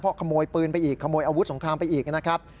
ขโมยปืนไปอีกขโมยอาวุธสงครามไปอีกนะครับ